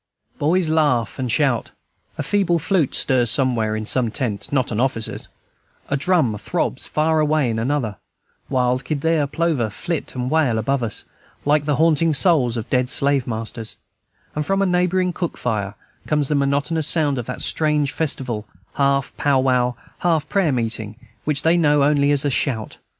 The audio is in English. Boys laugh and shout, a feeble flute stirs somewhere in some tent, not an officer's, a drum throbs far away in another, wild kildeer plover flit and wail above us, like the haunting souls of dead slave masters, and from a neighboring cook fire comes the monotonous sound of that strange festival, half pow wow, half prayer meeting, which they know only as a "shout."